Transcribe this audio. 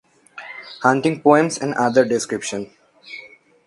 Hunting poems and other description.